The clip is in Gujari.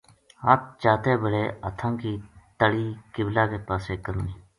ہتھ چاتے بلے ہتھاں کی تلی قبلے کے پاسے کرنی۔